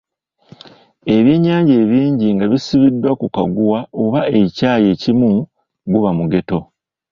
Ebyennyanja ebingi nga bisibiddwa ku kaguwa oba ekyayi ekimu guba mugeto